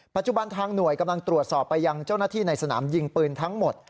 ทางหน่วยกำลังตรวจสอบไปยังเจ้าหน้าที่ในสนามยิงปืนทั้งหมด